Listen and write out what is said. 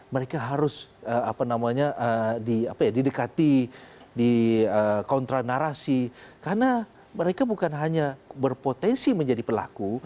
mereka harus didekati dikontra narasi karena mereka bukan hanya berpotensi menjadi pelaku